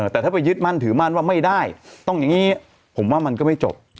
แต่ถ้าไปยึดมั่นถือมั่นว่าไม่ได้ต้องอย่างนี้ผมว่ามันก็ไม่จบ